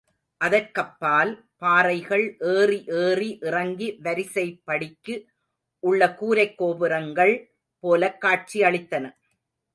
அதற்கப்பால், பாறைகள் ஏறி ஏறி இறங்கி வரிசைபடிக்கு உள்ள கூரைக் கோபுரங்கள் போலக் காட்சியளித்தன.